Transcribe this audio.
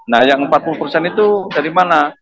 nah yang empat puluh persen itu dari mana